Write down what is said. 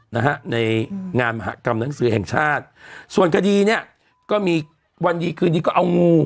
นะฮะในงานมหากรรมหนังสือแห่งชาติส่วนคดีเนี้ยก็มีวันดีคืนนี้ก็เอางู